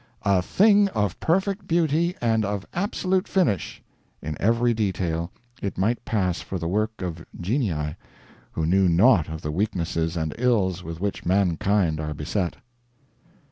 A thing of perfect beauty and of absolute finish in every detail, it might pass for the work of genii who knew naught of the weaknesses and ills with which mankind are beset."